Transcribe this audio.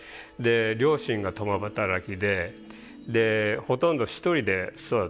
両親が共働きでほとんど一人で育ったんですね。